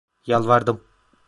Yalvardım…